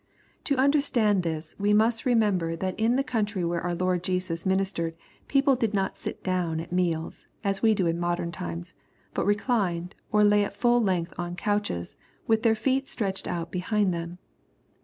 ] To understand this we must remember that in the country where our Lord Jesus ministered, people did not sit down at meals, as we do in modern times, but reclined, or lay at full length on couches, with their feet stretched out behind them.